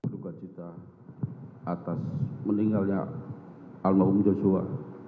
duka cita atas meninggalnya almarhum joshua